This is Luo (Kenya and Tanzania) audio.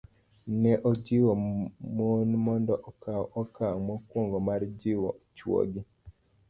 Ne ojiwo mon mondo okaw okang' mokwongo mar jiwo chwogi